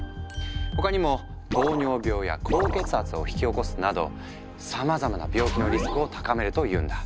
他にも糖尿病や高血圧を引き起こすなどさまざまな病気のリスクを高めるというんだ。